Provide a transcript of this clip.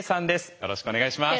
よろしくお願いします。